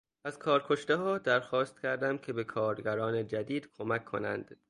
از کارکشتهها درخواست کردم که به کارگران جدید کمک کنند.